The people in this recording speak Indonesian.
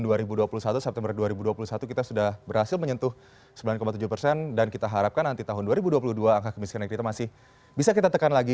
di september dua ribu dua puluh satu kita sudah berhasil menyentuh sembilan tujuh persen dan kita harapkan nanti tahun dua ribu dua puluh dua angka kemiskinan kita masih bisa kita tekan lagi